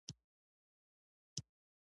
سکاټلنډیانو پر برېټانیا یرغل وکړ.